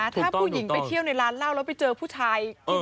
ถ้าผู้หญิงไปเที่ยวในร้านเหล้าแล้วไปเจอผู้ชาย